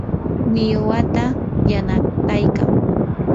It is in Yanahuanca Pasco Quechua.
millwata yanataykan.